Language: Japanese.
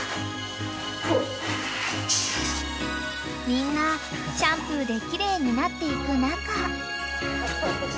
［みんなシャンプーで奇麗になっていく中］